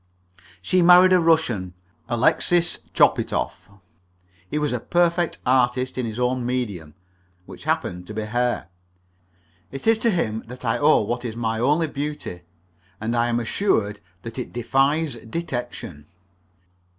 She married a Russian, Alexis Chopitoff. He was a perfect artist in his own medium, which happened to be hair. It is to him that I owe what is my only beauty, and I am assured that it defies detection.